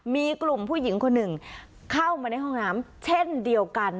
มีกลุ่มผู้หญิงคนหนึ่งเข้ามาในห้องน้ำเช่นเดียวกัน